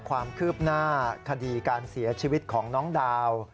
ความคืบหน้าคดีการเสียชีวิตของน้องดาว